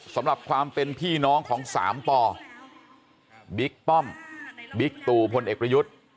สำหรับความเป็นพี่น้องของสามปบิ๊กป้อมบิ๊กตู่พลเอกประยุทธ์